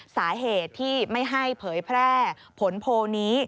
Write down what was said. สาเหตุที่ไม่ให้เผยแพร่ผลโพลนี้